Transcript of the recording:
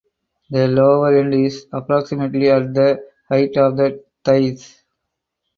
The lower end is approximately at the height of the thighs.